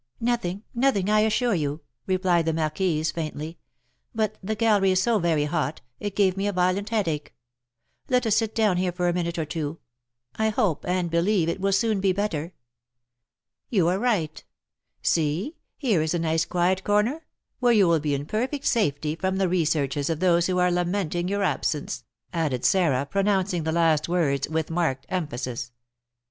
"Nothing, nothing, I assure you," replied the marquise, faintly; "but the gallery is so very hot, it gave me a violent headache. Let us sit down here for a minute or two. I hope and believe it will soon be better." "You are right; see, here is a nice quiet corner, where you will be in perfect safety from the researches of those who are lamenting your absence," added Sarah, pronouncing the last words with marked emphasis.